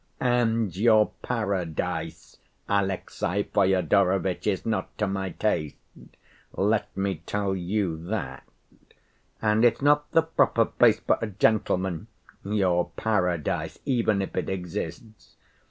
And your paradise, Alexey Fyodorovitch, is not to my taste, let me tell you that; and it's not the proper place for a gentleman, your paradise, even if it exists.